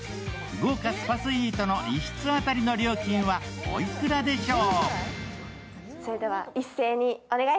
豪華スパスイートの１室当たりの料金はおいくらでしょう？